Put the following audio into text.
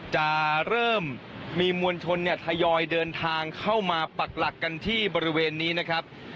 จะเริ่มมีมวลชนเนี่ยทยอยเดินทางเข้ามาปักหลักกันที่บริเวณนี้นะครับ